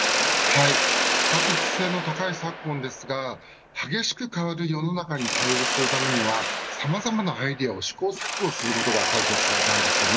不確実性の高い昨今ですが激しく変わる世の中に対応するためにはさまざまなアイデアを試行錯誤することが大切です。